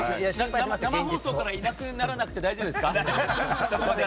生放送からいなくならなくて大丈夫ですか。